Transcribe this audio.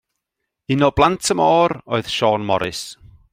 Un o blant y môr oedd Siôn Morys.